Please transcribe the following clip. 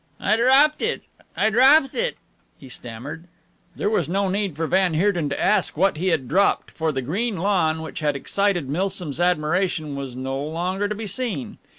"I dropped it, I dropped it!" he stammered. There was no need for van Heerden to ask what he had dropped, for the green lawn which had excited Milsom's admiration was no longer to be seen.